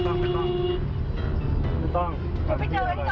ไม่ได้